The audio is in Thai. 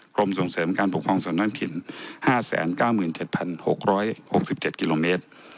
กรมส่งเสริมการปกครองส่วนด้านถิ่นห้าแสนเก้าหมื่นเจ็ดพันหกร้อยหกสิบเจ็ดกิโลเมตร